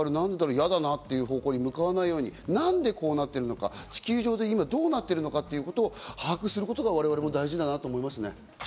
やだなという方向に向かないように、何でこうなってるのか、地球上で今どうなってるのかということを把握することが我々も大事だなと思いますね。